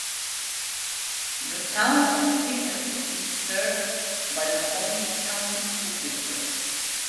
The town of Pickens is served by the Holmes County School District.